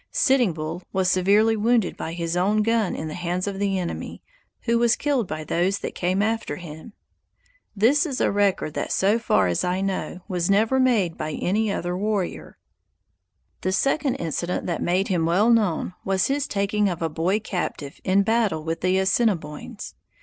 Sitting Bull was severely wounded by his own gun in the hands of the enemy, who was killed by those that came after him. This is a record that so far as I know was never made by any other warrior. The second incident that made him well known was his taking of a boy captive in battle with the Assiniboines.